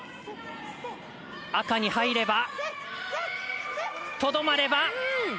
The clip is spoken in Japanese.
赤に入れば、とどまれば。